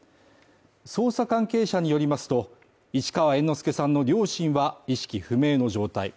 捜査関係者によりますと、市川猿之助さんの両親は意識不明の状態。